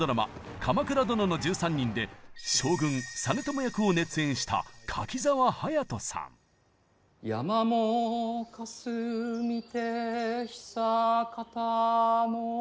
「鎌倉殿の１３人」で将軍実朝役を熱演した「山もかすみて久かたの」。